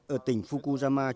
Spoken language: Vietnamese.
ở tỉnh fukuyama